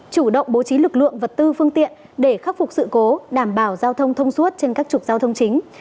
chủ động bố trí lực lượng vật tư phương tiện để khắc phục sự cố đảm bảo giao thông thông suốt trên các trục giao thông chính